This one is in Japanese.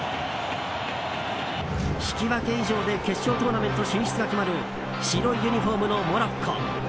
引き分け以上で決勝トーナメント進出が決まる白いユニホームのモロッコ。